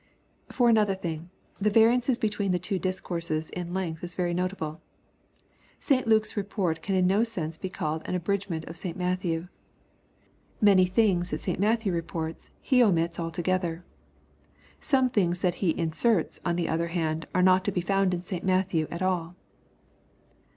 For another thing, the variances between the two discourses in length is very notable. St. Luke's report can in no sense be called an abridgement of St Matthew. Many things that St Matthew reports, he omits altogether. Some things that he in serts, on the other hand, are not to be found in St Matthew at all.